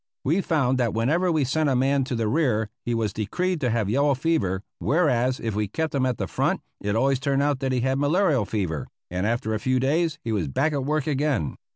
We found that whenever we sent a man to the rear he was decreed to have yellow fever, whereas, if we kept him at the front, it always turned out that he had malarial fever, and after a few days he was back at work again.